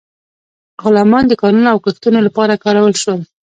غلامان د کانونو او کښتونو لپاره کارول شول.